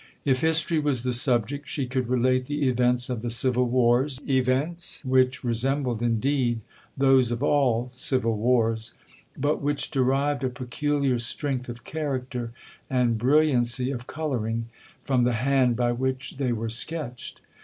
If history was the subject, she could relate the events of the civil wars—events which resembled indeed those of all civil wars, but which derived a peculiar strength of character, and brilliancy of colouring, from the hand by which they were sketched.